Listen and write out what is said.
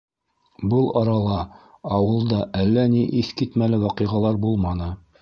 Был арала ауылда әллә ни иҫ китмәле ваҡиғалар булманы.